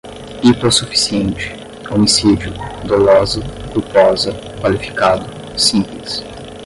hipossuficiente, homicídio, dolosa, culposa, qualificado, simples